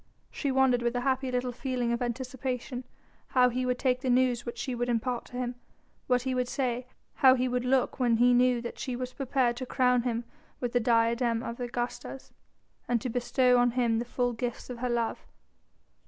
She wondered, with a happy little feeling of anticipation, how he would take the news which she would impart to him, what he would say, how he would look when he knew that she was prepared to crown him with the diadem of Augustus, and to bestow on him the full gifts of her love.